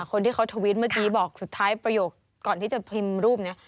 คนที่เขาทวิตเมื่อกี้บอกสุดท้ายประโยคก่อนที่จะพิมพ์รูปนี้